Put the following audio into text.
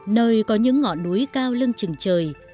nơi có những ngọn núi cao lưng chừng trời